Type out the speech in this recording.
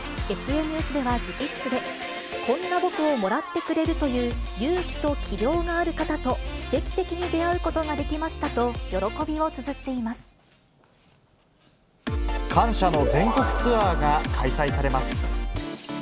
ＳＮＳでは直筆で、こんな僕をもらってくれるという勇気と器量がある方と、奇跡的に出会うことができましたと、感謝の全国ツアーが開催されます。